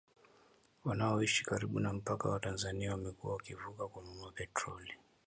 Wanaoishi karibu na mpaka wa Tanzania wamekuwa wakivuka kununua petroli